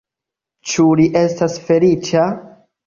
Ĉu li estas feliĉa?